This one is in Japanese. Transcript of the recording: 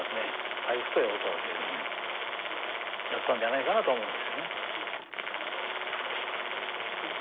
ああいう太い音だというふうにだったんじゃないかなと思うんですよね。